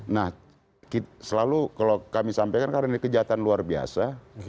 nah selalu kalau kami sampaikan karena ini kejahatan luar biasa